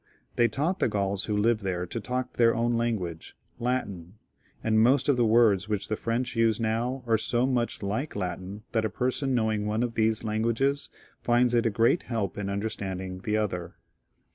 They taught the Ga^ who lived near them to talk the^* own language, Latin ; and most of the words which the French use now are so much like Latin that a person knowing one of these languages finds it a great help in understanding the other.